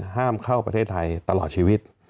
ห้ามเข้าประเทศไทยตลอดชีวิต